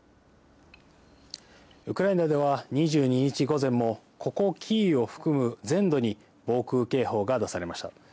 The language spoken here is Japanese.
ウクライナでは２２日午前も、ここキーウを含む全土に防空警報が出されました。